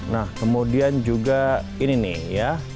nah kemudian juga ini nih ya